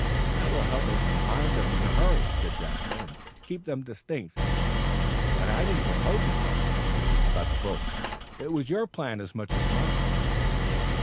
"That will help us to find them in a hurry," said Jasper, "and keep them distinct; but I didn't propose it, Polly, about the books. It was your plan as much as mine."